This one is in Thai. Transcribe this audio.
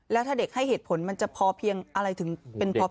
แล้วถ้าเด็กให้เหตุผลมันจะพอเพียงอะไรถึงเป็นพอ